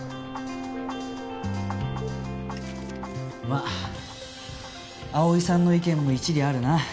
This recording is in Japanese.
まあ葵さんの意見も一理あるな。